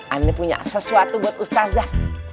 anda punya sesuatu buat ustazah